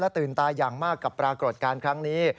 ตื่นตาอย่างมากกับปรากฏการณ์ครั้งนี้